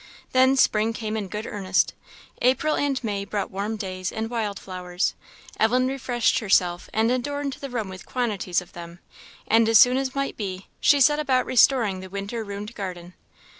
Then spring came in good earnest; April and May brought warm days and wild flowers. Ellen refreshed herself and adorned the room with quantities of them; and, as soon as might be, she set about restoring the winter ruined garden.